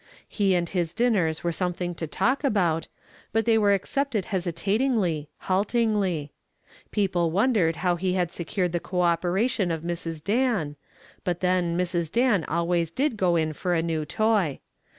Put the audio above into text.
He and his dinners were something to talk: about, but they were accepted hesitatingly, haltingly. People wondered how he had secured the cooperation of Mrs. Dan, but then Mrs. Dan always did go in for a new toy.